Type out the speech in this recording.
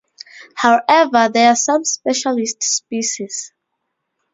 However, there are some specialist species.